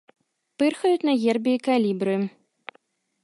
Пырхаюць на гербе і калібры.